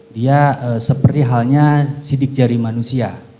dia seperti halnya sidik jari manusia